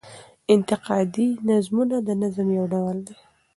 انتقادي نظمونه د نظم يو ډول دﺉ.